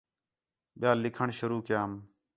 ٻِیال لکھݨ شروع کیام